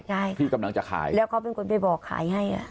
ใช่พี่กำลังจะขายแล้วเขาเป็นคนไปบอกขายให้อ่ะ